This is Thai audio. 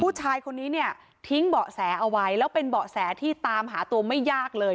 ผู้ชายคนนี้เนี่ยทิ้งเบาะแสเอาไว้แล้วเป็นเบาะแสที่ตามหาตัวไม่ยากเลย